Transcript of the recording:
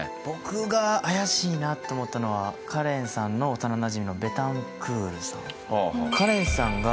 僕が怪しいなと思ったのはカレンさんの幼なじみのベタンクールさん。